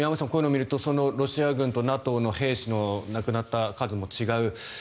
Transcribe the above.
こういうのを見るとロシア軍とＮＡＴＯの兵士の亡くなった数も違う。